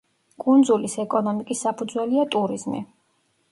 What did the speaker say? კუნძულის ეკონომიკის საფუძველია ტურიზმი.